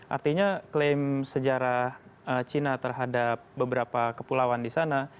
artinya klaim sejarah cina terhadap beberapa kepulauan di sana